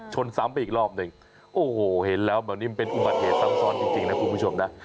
ซ้ำไปอีกรอบหนึ่งโอ้โหเห็นแล้วแบบนี้มันเป็นอุบัติเหตุซ้ำซ้อนจริงนะคุณผู้ชมนะ